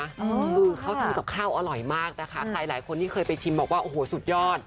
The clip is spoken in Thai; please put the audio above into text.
คือเขาทำกับข้าวอร่อยมากนะคะใครหลายคนที่เคยไปชิมบอกว่าโอ้โหสุดยอด